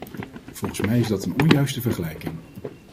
Volgens mij is dat een onjuiste vergelijking.